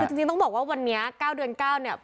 คือจริงต้องบอกว่าวันนี้๙เดือน๙เนี่ย